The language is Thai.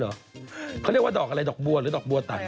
เขาเรียกว่าดอกอะไรดอกบัวหรือดอกบัวตัก